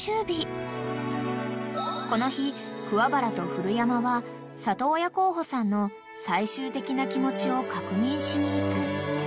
［この日桑原と古山は里親候補さんの最終的な気持ちを確認しに行く］